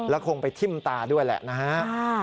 แล้วคงไปทิ่มตาด้วยแหละนะฮะ